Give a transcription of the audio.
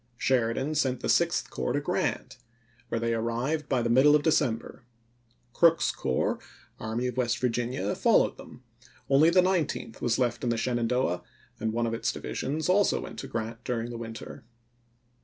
Sheridan sent the Sixth Corps to Grant, where they arrived by the middle of December. Crook's corps (Army of West Vir ginia) followed them ; only the Nineteenth was left in the Shenandoah, and one of its divisions also went to Grant during the winter.